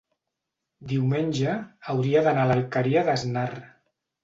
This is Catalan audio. Diumenge hauria d'anar a l'Alqueria d'Asnar.